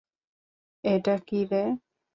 এটা কী রে?